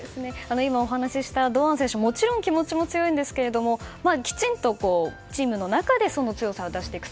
今お話しした堂安選手、気持ちも強いんですがきちんとチームの中でその強さを出していく。